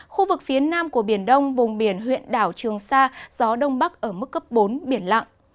khu vực phía nam của biển đông vùng biển huyện đảo trường sa gió đông bắc ở mức cấp bốn biển lặng